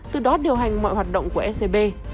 từ đó điều hành mọi hoạt động của scb